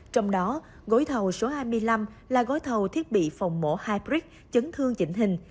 trong đó gói thầu số hai mươi năm là gói thầu thiết bị phòng mổ hybric chấn thương chỉnh hình